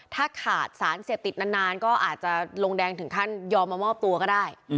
ถ้าขาดสารเสพติดนานก็อาจจะลงแดงถึงขั้นยอมมามอบตัวก็ได้